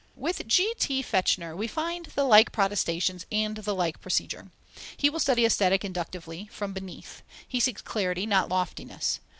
With G.T. Fechner we find the like protestations and the like procedure. He will study Aesthetic inductively, from beneath. He seeks clarity, not loftiness.